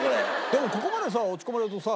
でもここまで落ち込まれるとさ